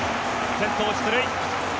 先頭出塁。